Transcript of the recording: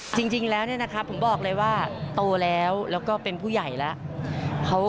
จริงแล้วเนี่ยนะครับผมบอกเลยว่าโตแล้วแล้วก็เป็นผู้ใหญ่แล้ว